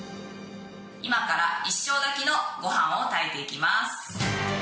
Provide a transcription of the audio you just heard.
今から一升炊きのご飯を炊いていきます。